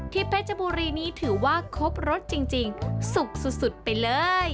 เพชรบุรีนี้ถือว่าครบรสจริงสุกสุดไปเลย